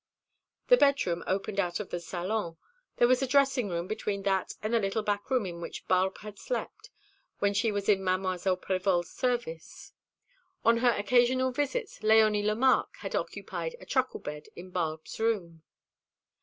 The bedroom opened out of the salon. There was a dressing room between that and the little back room in which Barbe had slept, when she was in Mademoiselle Prévol's service. On her occasional visits Léonie Lemarque had occupied a truckle bed in Barbe's room.